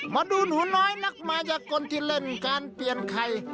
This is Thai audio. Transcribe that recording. มาดูหนูน้อยนักมายกลที่เล่นการเปลี่ยนไข่